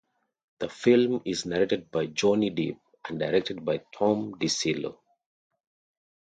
The film is narrated by Johnny Depp, and directed by Tom DiCillo.